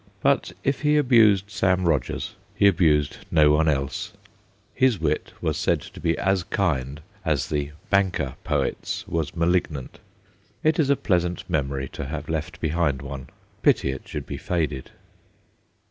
But if he abused Sam Rogers he abused no one else : his wit was said to be as kind as the banker poet's was malignant. It is a pleasant 86 THE GHOSTS OF PICCADILLY memory to have left behind one. Pity it should be faded.